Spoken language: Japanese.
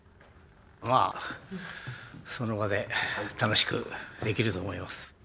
まあその場で楽しくできると思います。